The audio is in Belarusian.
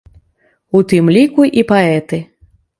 У тым ліку і паэты.